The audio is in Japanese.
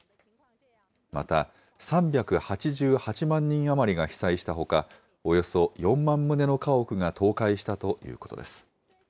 また３８８万人余りが被災したほか、およそ４万棟の家屋が倒壊したということです。